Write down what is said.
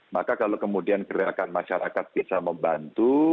maka kalau kemudian gerakan masyarakat bisa membantu